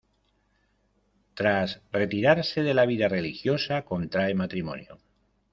Tras retirarse de la vida religiosa, contrae matrimonio.